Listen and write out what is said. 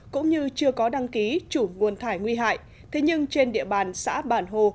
cũng như chưa có đăng ký chủ nguồn thải nguy hại thế nhưng trên địa bàn xã bản hồ